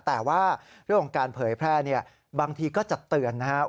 แต่ว่าเรื่องของการเผยแพร่เนี่ยบางทีก็จะเตือนนะครับ